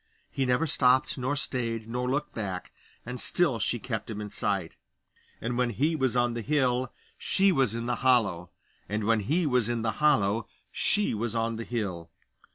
He never stopped, nor stayed, nor looked back, and still she kept him in sight; and when he was on the hill she was in the hollow, and when he was in the hollow she was on the hill.